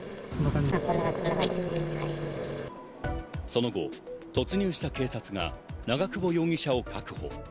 その後、突入した警察が長久保容疑者を確保。